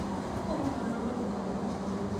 ওহ, ধন্যবাদ খোদা।